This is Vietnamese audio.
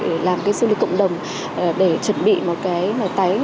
để làm cái du lịch cộng đồng để chuẩn bị một cái tái